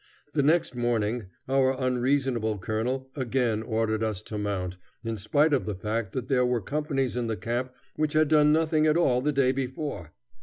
The next morning our unreasonable colonel again ordered us to mount, in spite of the fact that there were companies in the camp which had done nothing at all the day before.